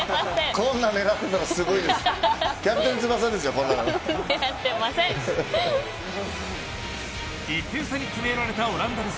こんなの狙ってたらすごいです。